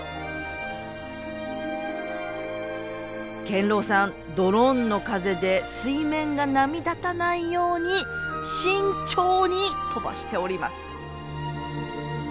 健郎さんドローンの風で水面が波立たないように慎重に飛ばしております。